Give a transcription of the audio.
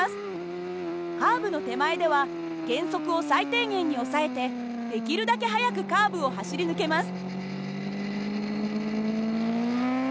カーブの手前では減速を最低限に抑えてできるだけ速くカーブを走り抜けます。